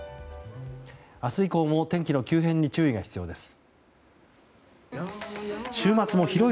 明日以降も天気の急変に注意が必要です。